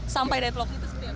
sampai deadlock itu